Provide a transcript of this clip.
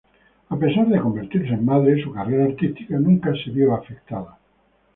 A pesar de convertirse en madre su carrera artística nunca se vio afectada.